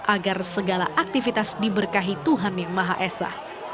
agar segala aktivitas diberkahi tuhan yang maha esa